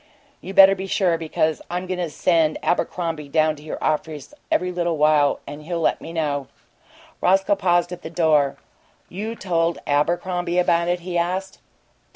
You better be sure, because I'm going to send Abercrombie down to your office every little while, and he'll let me know." Roscoe paused at the door. "You told Abercrombie about it?" he asked.